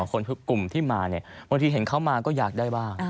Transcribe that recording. คนกลุ่มที่มาบางทีเห็นเข้ามาก็อยากได้บ้าง